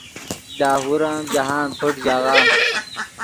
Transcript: لاہور ام جاہند پݯ ژاغہ